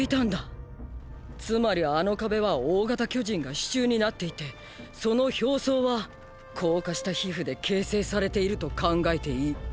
つまりあの壁は大型巨人が主柱になっていてその表層は硬化した皮膚で形成されていると考えていい。